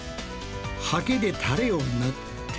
ハケでタレを塗って。